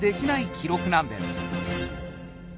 記録なんです